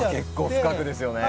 結構深くですよね。